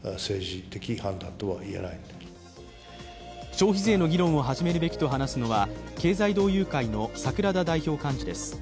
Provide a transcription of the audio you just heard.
消費税の議論を始めるべきと話すのは経済同友会の櫻田代表幹事です。